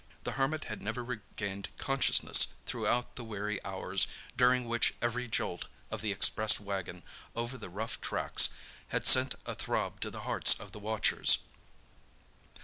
The Hermit had never regained consciousness throughout the weary hours during which every jolt of the express wagon over the rough tracks had sent a throb to the hearts of the watchers.